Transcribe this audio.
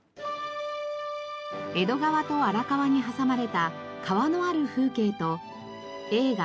江戸川と荒川に挟まれた川のある風景と映画